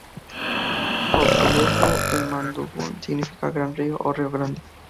Futaleufú en mapudungún significa "Gran Río" o "Río grande".